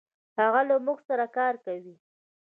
هغه له مونږ سره کار کوي.